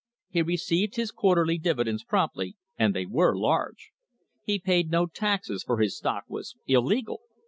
He received his quarterly divi dends promptly, and they were large! He paid no taxes, for his stock was illegal!